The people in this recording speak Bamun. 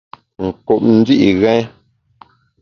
Nkup ndi’ ghèn.